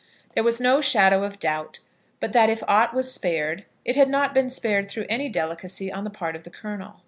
There was no shadow of doubt but that if aught was spared, it had not been spared through any delicacy on the part of the Colonel.